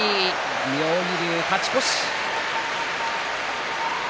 妙義龍、勝ち越し。